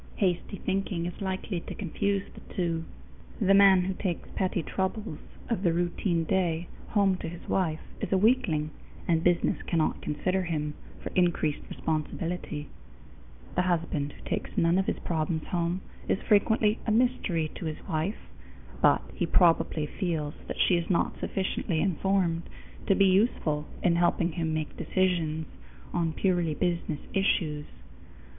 Hasty thinking is likely to confuse the two. The man who takes petty troubles of the routine day home to his wife is a weakling, and business cannot consider him for increased responsibility. The husband who takes none of his problems home is frequently a mystery to his wife, but he probably feels that she is not sufficiently informed to be useful in helping him make decisions on purely business issues.